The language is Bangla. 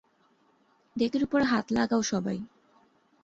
ডেকের উপরে হাত লাগাও সবাই!